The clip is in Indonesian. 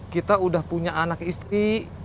kita udah punya anak istri